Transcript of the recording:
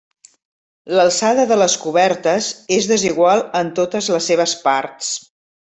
L'alçada de les cobertes és desigual en totes les seves parts.